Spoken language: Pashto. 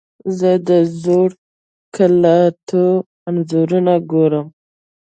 زه د زړو قلعاتو انځورونه ګورم.